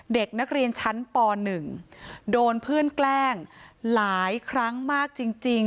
เด็กนักเรียนชั้นป๑โดนเพื่อนแกล้งหลายครั้งมากจริง